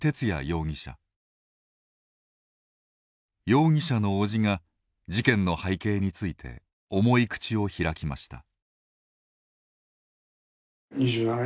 容疑者のおじが事件の背景について重い口を開きました。